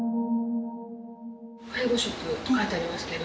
介護職と書いてありますけど。